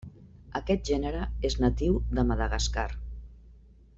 Aquest gènere és natiu de Madagascar.